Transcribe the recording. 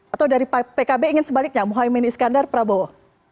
atau dari pkb ingin sebaliknya muhaymin iskandar prabowo